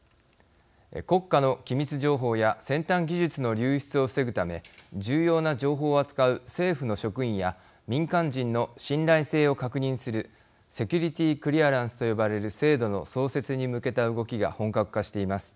国家の機密情報や先端技術の流出を防ぐため重要な情報を扱う政府の職員や民間人の信頼性を確認するセキュリティークリアランスと呼ばれる制度の創設に向けた動きが本格化しています。